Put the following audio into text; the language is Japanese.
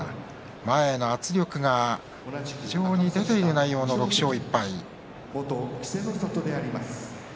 前への圧力が非常に出ている内容の６勝１敗。